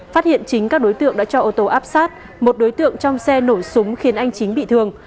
phát hiện chính các đối tượng đã cho ô tô áp sát một đối tượng trong xe nổ súng khiến anh chính bị thương